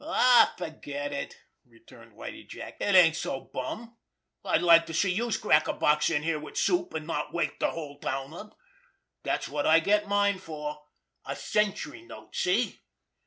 "Aw, forget it!" returned Whitie Jack. "It ain't so bum! I'd like to see youse crack a box in here wid soup, an' not wake de whole town up. Dat's wot I get mine for—a century note—see?